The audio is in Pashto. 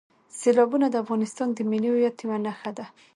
سیلابونه د افغانستان د ملي هویت یوه نښه ده.